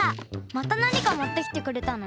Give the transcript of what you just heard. またなにかもってきてくれたの？